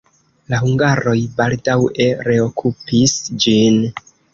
La hungaroj baldaŭe reokupis ĝin.